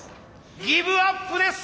ギブアップです！